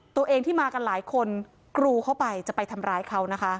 ตัวเองที่มากันหลายคนกรูเข้าไปจะไปทำร้ายเขานะคะ